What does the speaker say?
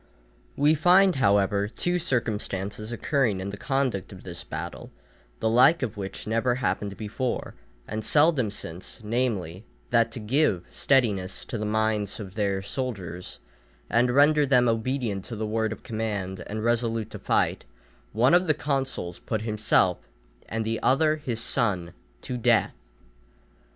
We find, however, two circumstances occurring in the conduct of this battle, the like of which never happened before, and seldom since, namely, that to give steadiness to the minds of their soldiers, and render them obedient to the word of command and resolute to fight, one of the consuls put himself, and the other his son, to death.